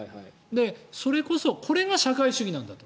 それこそこれが社会主義なんだと。